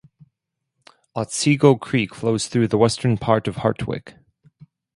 Otsego Creek flows through the western part of Hartwick.